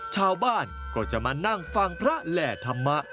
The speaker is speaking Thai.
ชาวบ้านก็จะมานั่งฟังพระแหล่ธรรมะ